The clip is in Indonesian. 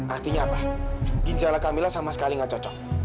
artinya apa ginjalnya kamila sama sekali gak cocok